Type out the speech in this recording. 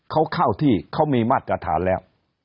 เขาเข้าที่เขามีมาตรฐานแล้ว